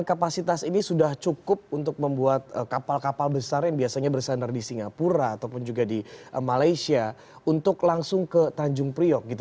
kapasitas ini sudah cukup untuk membuat kapal kapal besar yang biasanya bersandar di singapura ataupun juga di malaysia untuk langsung ke tanjung priok gitu